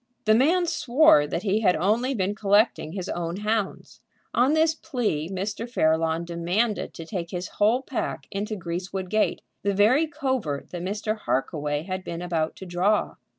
The man swore that he had only been collecting his own hounds. On this plea Mr. Fairlawn demanded to take his whole pack into Greasegate Wood, the very covert that Mr. Harkaway had been about to draw.